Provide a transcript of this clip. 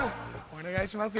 お願いしますよ。